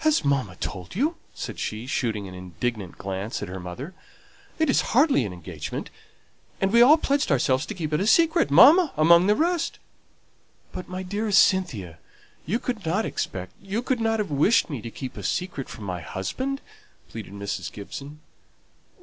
"Has mamma told you?" said she, shooting an indignant glance at her mother. "It is hardly an engagement; and we all pledged ourselves to keep it a secret, mamma among the rest!" "But, my dearest Cynthia, you could not expect you could not have wished me to keep a secret from my husband?" pleaded Mrs. Gibson.